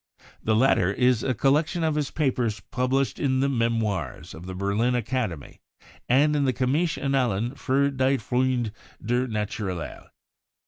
The latter is a collection of his papers published in the "Memoirs" of the Berlin Acad emy and in the "Chemische Annalen fur die Freunde der Naturlehre."